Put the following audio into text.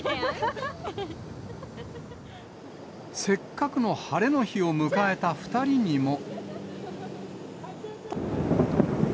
せっかくの晴れの日を迎えた２人にも。